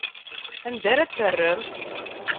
Anda ara t-terrem?